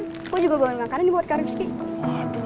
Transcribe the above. gue juga bawain makanan dibuat ke rifqi